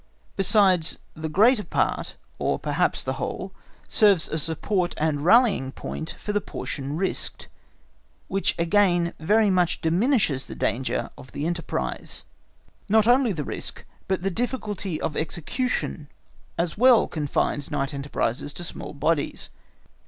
Besides, the greater part or perhaps the whole serves as a support and rallying point for the portion risked, which again very much diminishes the danger of the enterprise. Not only the risk, but the difficulty of execution as well confines night enterprises to small bodies.